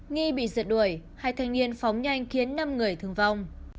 nghi bị rượt đuổi hai thanh niên phóng nhanh khiến năm người thương vong